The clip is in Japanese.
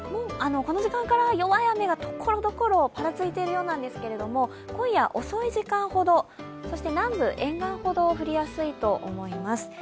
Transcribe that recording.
この時間から弱い雨がところどころ、ぱらついているようなんですけれども今夜遅い時間ほど、南部・沿岸ほど降りやすいと思います。